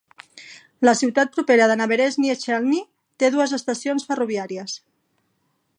La ciutat propera de Naberezhnye Chelny té dues estacions ferroviàries.